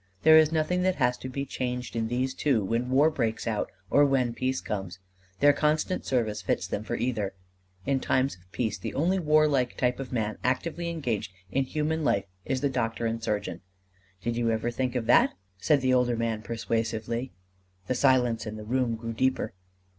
There is nothing that has to be changed in these two when war breaks out or when peace comes: their constant service fits them for either. In times of peace the only warlike type of man actively engaged in human life is the doctor and surgeon. Did you ever think of that?" said the older man, persuasively. The silence in the room grew deeper.